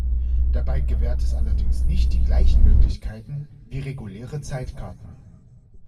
Dabei gewährt es allerdings nicht die gleichen Möglichkeiten wie reguläre Zeitkarten.